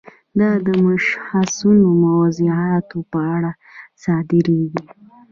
دا د مشخصو موضوعاتو په اړه صادریږي.